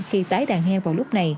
khi tái đàn heo vào lúc này